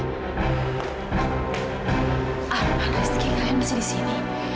amang rizky kalian bisa di sini